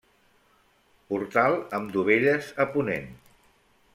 Portal amb dovelles a ponent.